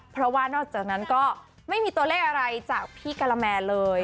เพราะว่านอกจากนั้นก็ไม่มีตัวเลขอะไรจากพี่กะละแมเลย